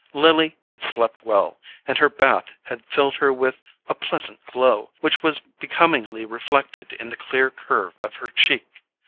Lily had slept well, and her bath had filled her with a pleasant glow, which was becomingly reflected in the clear curve of her cheek.